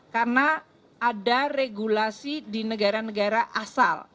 karena ada regulasi di negara negara asal